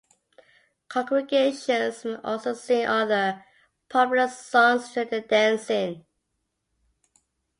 Congregations may also sing other, popular songs during the dancing.